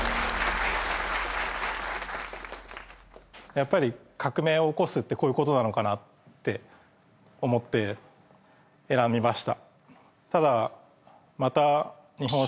やっぱり革命を起こすってこういうことなのかなって思って選びました